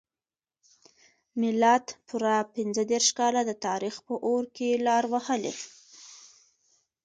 ملت پوره پنځه دیرش کاله د تاریخ په اور کې لار وهلې.